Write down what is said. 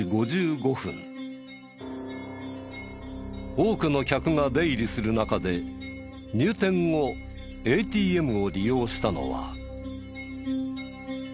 多くの客が出入りする中で入店後ＡＴＭを利用したのは。